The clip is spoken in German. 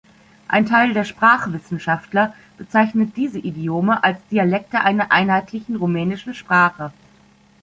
Ein Teil der Sprachwissenschaftler bezeichnet diese Idiome als Dialekte einer einheitlichen rumänischen Sprache.